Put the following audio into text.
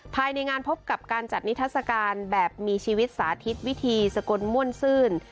ภายในงานพบกับการจัดนิทัศกาลแบบมีชีวิตสาธิตวิธีสกลม่วนซื่น